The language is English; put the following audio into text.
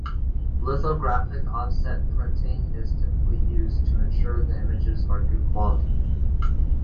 Lithographic offset printing is typically used, to ensure the images are good quality.